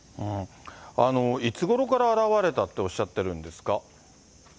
いつごろから現れたっておっしゃってるんですか？